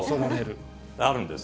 あるんです。